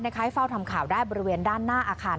ให้เฝ้าทำข่าวได้บริเวณด้านหน้าอาคาร